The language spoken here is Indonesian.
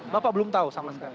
bapak belum tahu sama sekali